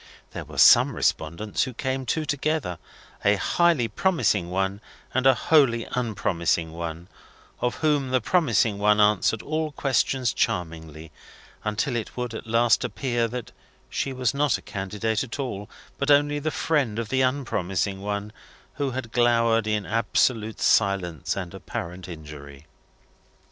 There were some respondents who came two together, a highly promising one and a wholly unpromising one: of whom the promising one answered all questions charmingly, until it would at last appear that she was not a candidate at all, but only the friend of the unpromising one, who had glowered in absolute silence and apparent injury.